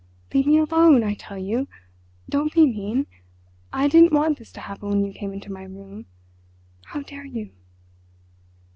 "Leave me alone! I tell you. Don't be mean! I didn't want this to happen when you came into my room. How dare you?"